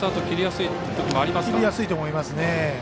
切りやすいと思います。